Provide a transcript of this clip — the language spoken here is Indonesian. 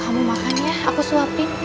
kamu makan ya aku suapin